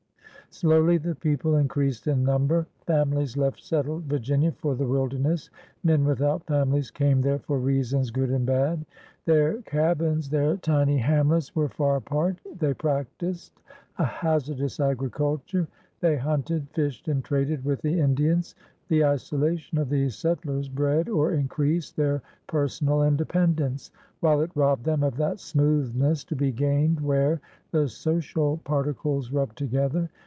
Slowly the people in creased in number. Families left settled Virginia for the wilderness; men without families came there for reasons good and bad. Their cabins, their tiny iMMM^ki.dMdfliM THE CAROLINAS 201 hamlets were far apart; they practised a hazardous agriculture; they hunted, fished, and traded with the Indians. The isolation of these settlers bred or increased their personal independence, while it robbed them of that smoothness to be gained where the social particles rub together.